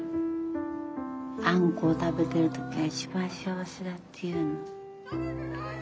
あんこを食べてる時が一番幸せだっていうの。